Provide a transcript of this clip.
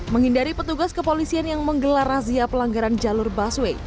menghindari petugas kepolisian yang menggelar razia pelanggaran jalur busway